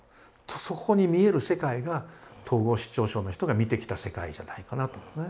そこに見える世界が統合失調症の人が見てきた世界じゃないかなと。